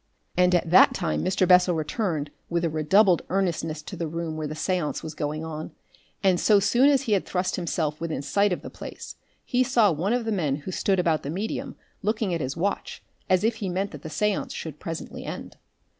And at that Mr. Bessel returned with redoubled earnestness to the room where the seance was going on, and so soon as he had thrust himself within sight of the place he saw one of the men who stood about the medium looking at his watch as if he meant that the seance should presently end.